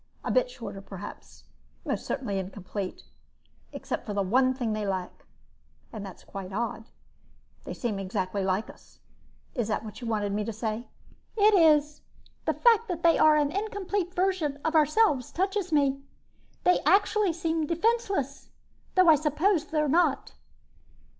"A bit shorter perhaps, and most certainly incomplete. Except for the one thing they lack, and that's quite odd, they seem exactly like us. Is that what you wanted me to say?" "It is. The fact that they are an incomplete version of ourselves touches me. They actually seem defenseless, though I suppose they're not."